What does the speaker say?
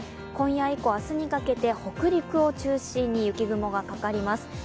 今夜以降、明日にかけて北陸を中心に雪雲がかかります。